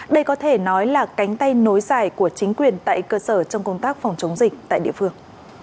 đây có thể nói là cánh tay nối dài của chính quyền tại cơ sở trong công tác phòng chống dịch tại địa phương